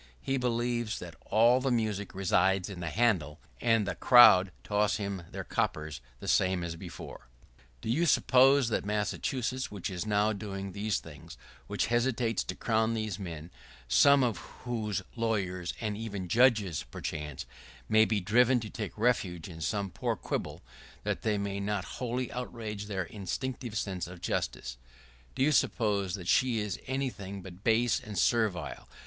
He believes that all the music resides in the handle, and the crowd toss him their coppers the same as before. [¶43] Do you suppose that that Massachusetts which is now doing these things — which hesitates to crown these men, some of whose lawyers, and even judges, perchance, may be driven to take refuge in some poor quibble, that they may not wholly outrage their instinctive sense of justice — do you suppose that she is anything but base and servile?